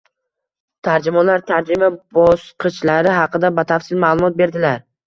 Tarjimonlar tarjima bosqichlari haqida batafsil ma’lumot berdilar